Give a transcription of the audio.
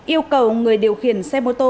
yêu cầu người điều khiển xe mô tô